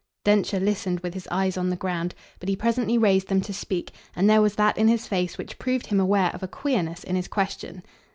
Densher listened with his eyes on the ground, but he presently raised them to speak, and there was that in his face which proved him aware of a queerness in his question.